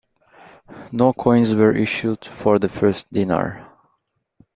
No coins were issued for the first denar.